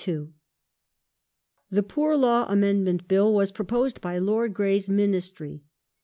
The Poor Law Amendment Bill was proposed by Lord Grey's Fall of the Ministry.